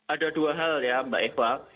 ada dua hal ya mbak eva